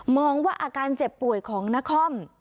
ว่าอาการเจ็บป่วยของนคร